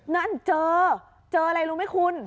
นั่นเจอเจออะไรรู้ไหมคุณ